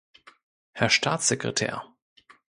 Herr Staatssekretär!